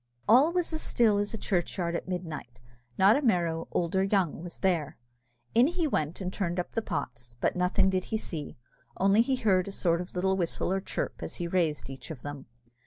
All was as still as a churchyard at midnight not a Merrow, old or young, was there. In he went and turned up the pots, but nothing did he see, only he heard a sort of a little whistle or chirp as he raised each of them.